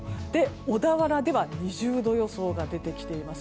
小田原では２０度予想が出てきています。